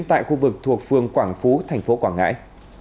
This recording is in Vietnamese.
tại khu vực thuộc phường quảng phú tp quảng ngãi